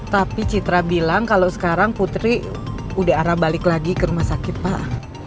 tapi citra bilang kalau sekarang putri udah arah balik lagi ke rumah sakit pak